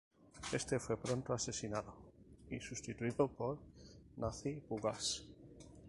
Éste fue pronto asesinado, y sustituido por Nazi-Bugash.